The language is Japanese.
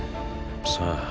さあ。